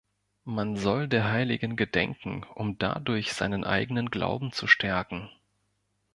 Man soll der Heiligen gedenken, um dadurch seinen eigenen Glauben zu stärken.